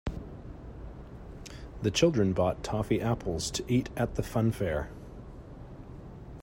The children bought toffee apples to eat at the funfair